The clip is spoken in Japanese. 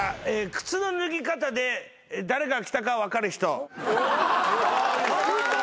靴の脱ぎ方で誰が来たか分かる人。